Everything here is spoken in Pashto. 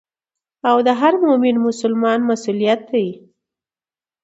او د هر مؤمن مسلمان مسؤليت دي.